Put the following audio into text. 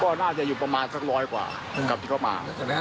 ก็น่าจะอยู่ประมาณสักร้อยกว่ากับที่เขามา